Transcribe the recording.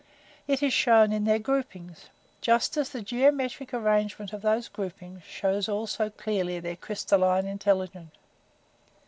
It is shown in their groupings just as the geometric arrangement of those groupings shows also clearly their crystalline intelligence.